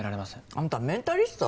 あんたメンタリスト？